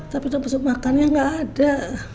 tapi untuk masuk makannya nggak ada